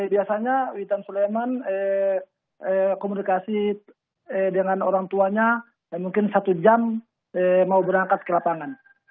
biasanya witan sulaiman komunikasi dengan orang tuanya mungkin satu jam mau berangkat ke lapangan